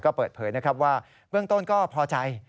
ก็เปิดเผยนะครับว่าเบื้องต้นก็พอใจ